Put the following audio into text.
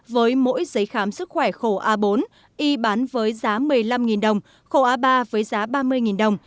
với mỗi giấy khám sức khỏe khổ a bốn y bán với giá một mươi năm đồng khổ a ba với giá ba mươi đồng